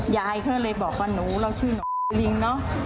ยายเขาเลยบอกว่าหนูเราชื่อน๋อ๋อ๋ลิงเนาะ